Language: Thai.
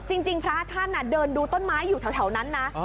จริงพระท่านเดินดูต้นไม้อยู่แถวนั้นนะ